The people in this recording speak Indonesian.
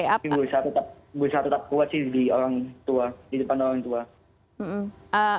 tapi berusaha tetap kuat sih di depan orang tua